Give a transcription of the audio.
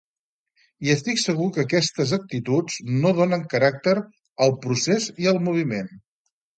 I estic segur que aquestes actituds no donen caràcter al procés i al moviment.